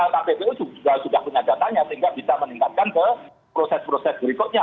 kppu juga sudah punya datanya sehingga bisa meningkatkan ke proses proses berikutnya